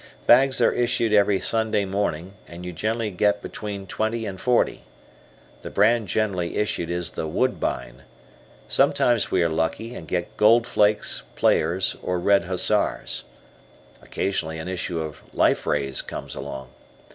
Fags are issued every Sunday morning, and you generally get between twenty and forty. The brand generally issued is the "Woodbine." Sometimes we are lucky, and get "Goldflakes," "Players," or "Red Hussars." Occasionally an issue of "Life Rays" comes along.